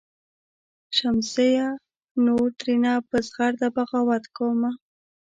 "شمسزیه نور ترېنه په زغرده بغاوت کومه.